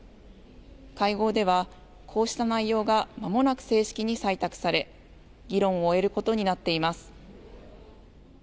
会合ではこうした内容がまもなく正式に採択され議論を終えることになっています。